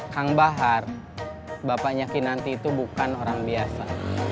kang bahar bapaknya kinanti itu bukan orang biasa